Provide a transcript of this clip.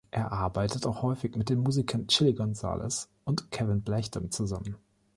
Er arbeitet auch häufig mit den Musikern Chilly Gonzales und Kevin Blechdom zusammen.